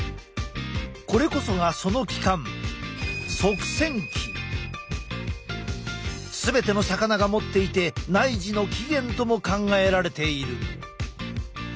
これこそがその器官全ての魚が持っていて内耳の起源とも考えられている。